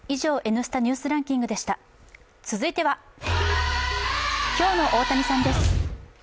続いては、今日の大谷さんです。